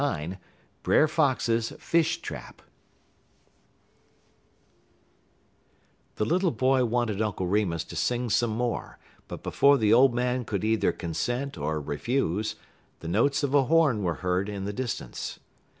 LXIX BRER FOX'S FISH TRAP The little boy wanted Uncle Remus to sing some more; but before the old man could either consent or refuse, the notes of a horn were heard in the distance.